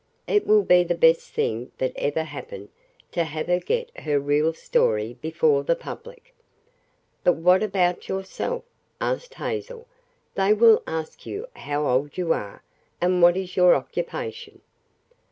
It will be the best thing that ever happened to have her get her real story before the public." "But what about yourself?" asked Hazel. "They will ask you how old you are, and what is your occupation?"